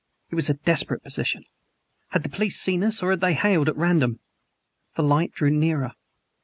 It was a desperate position. Had the police seen us or had they hailed at random? The light drew nearer.